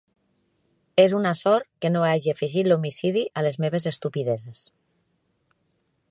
És una sort que no hagi afegit l'homicidi a les meves estupideses.